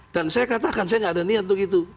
dan saya katakan saya nggak ada niat untuk gitu